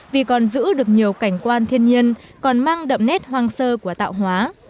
vì còn giữ được nhiều cảnh quan thiên nhiên còn mang đậm nét hoang sơ của tạo hóa